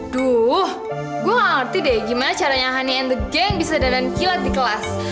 duh gue gak ngerti deh gimana caranya honey and the gang bisa dadan kilat di kelas